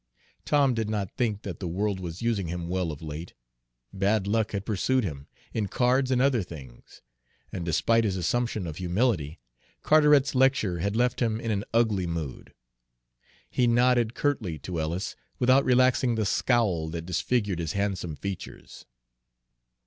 Tom did not think that the world was using him well of late; bad luck had pursued him, in cards and other things, and despite his assumption of humility, Carteret's lecture had left him in an ugly mood. He nodded curtly to Ellis without relaxing the scowl that disfigured his handsome features.